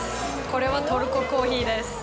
これはトルココーヒーです。